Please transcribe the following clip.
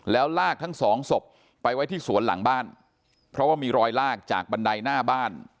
แล้วลากทั้งสองศพไปไว้ที่สวนหลังบ้านเพราะว่ามีรอยลากจากบันไดหน้าบ้าน